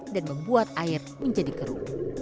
dan membuat air menjadi keru